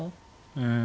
うん。